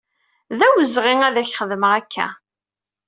D awezɣi ad ak-xedmeɣ akka.